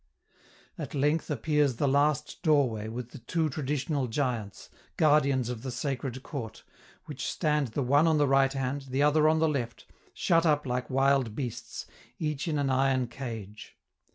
At length appears the last doorway with the two traditional giants, guardians of the sacred court, which stand the one on the right hand, the other on the left, shut up like wild beasts, each in an iron cage.